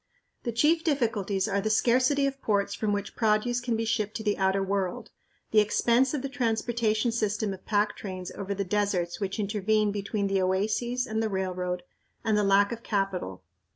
The chief difficulties are the scarcity of ports from which produce can be shipped to the outer world, the expense of the transportation system of pack trains over the deserts which intervene between the oases and the railroad, and the lack of capital.